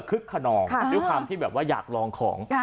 ขนองด้วยความที่แบบว่าอยากลองของ